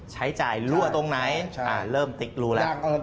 ใช้จ่ายรั่วตรงไหนเริ่มติ๊กรูแล้ว